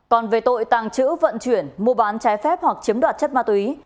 còn về tội tàng trữ vận chuyển mua bán trái phép hoặc chiếm đoạt chất ma túy